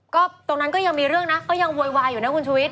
ก็ตรงนั้นก็ยังมีเรื่องนะก็ยังโวยวายอยู่นะคุณชุวิต